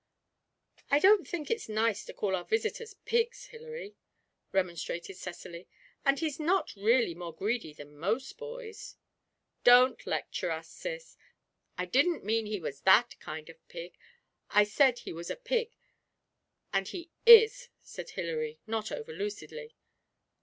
'I don't think it's nice to call our visitors "pigs," Hilary!' remonstrated Cecily, 'and he's not really more greedy than most boys.' 'Don't lecture, Cis. I didn't mean he was that kind of pig I said he was a pig. And he is!' said Hilary, not over lucidly.